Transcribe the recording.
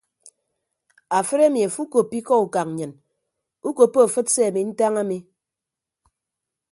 Afịt emi afo ukoppo ikọ ukañ nnyịn ukoppo afịt se ami ntañ ami.